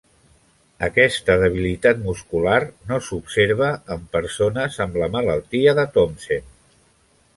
Aquesta debilitat muscular no s'observa en persones amb la malaltia de Thomsen.